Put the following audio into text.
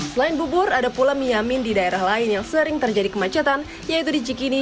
selain bubur ada pula miyamin di daerah lain yang sering terjadi kemacetan yaitu di cikini